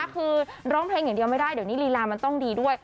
คือร้องเพลงอย่างเดียวไม่ได้เดี๋ยวนี้ลีลามันต้องดีด้วย